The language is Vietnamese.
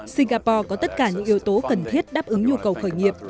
singapore có tất cả những yếu tố cần thiết đáp ứng nhu cầu khởi nghiệp